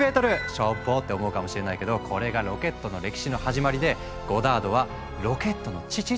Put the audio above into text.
「しょぼ！」って思うかもしれないけどこれがロケットの歴史の始まりでゴダードは「ロケットの父」って呼ばれている。